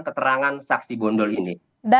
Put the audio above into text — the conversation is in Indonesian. keterangan saksi bondol ini